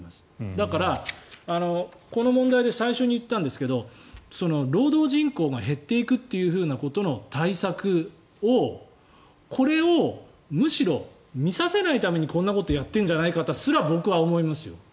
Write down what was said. だから、この問題で最初に言ったんですけど労働人口が減っていくということの対策をこれをむしろ見させないためにこんなことをやってるじゃないかとすら僕は思いますよ。